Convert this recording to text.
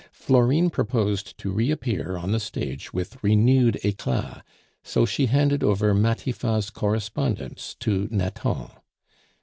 Florine proposed to reappear on the stage with renewed eclat, so she handed over Matifat's correspondence to Nathan.